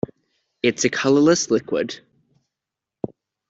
It is a colourless liquid.